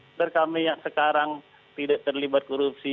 agar kami yang sekarang tidak terlibat korupsi